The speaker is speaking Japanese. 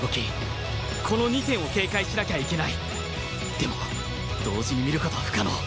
でも同時に見る事は不可能